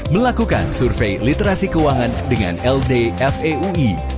melakukan survei literasi keuangan dengan ldfeui